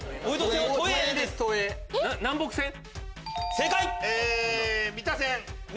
正解！